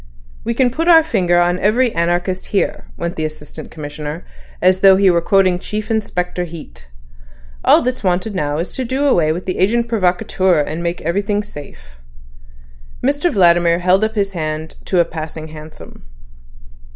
"We can put our finger on every anarchist here," went on the Assistant Commissioner, as though he were quoting Chief Inspector Heat. "All that's wanted now is to do away with the agent provocateur to make everything safe." Mr Vladimir held up his hand to a passing hansom.